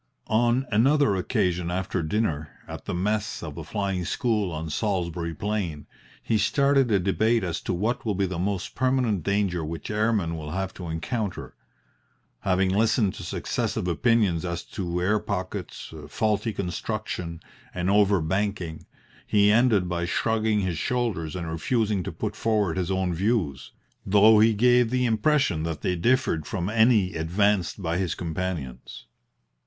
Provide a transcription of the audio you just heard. On another occasion after dinner, at the mess of the Flying School on Salisbury Plain, he started a debate as to what will be the most permanent danger which airmen will have to encounter. Having listened to successive opinions as to air pockets, faulty construction, and over banking, he ended by shrugging his shoulders and refusing to put forward his own views, though he gave the impression that they differed from any advanced by his companions.